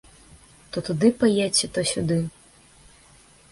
То туды паедзьце, то сюды.